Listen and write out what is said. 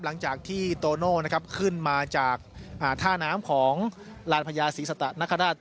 หลังจากที่โตโน่นะครับขึ้นมาจากท่าน้ำของลานพญาศรีสตะนคราช